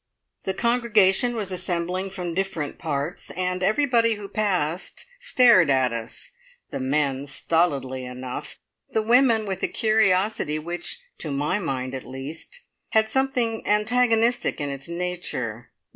The congregation was assembling from different parts, and everybody who passed stared at us, the men stolidly enough, the women with a curiosity which, to my mind at least, had something antagonistic in its nature.